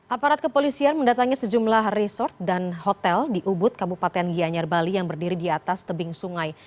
aparat kepolisian mendatangi sejumlah resort dan hotel di ubud kabupaten gianyar bali yang berdiri di atas tebing sungai